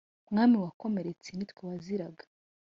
Mwami wakomeretse nitwe waziraga